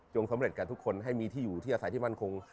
สำเร็จกับทุกคนให้มีที่อยู่ที่อาศัยที่มั่นคง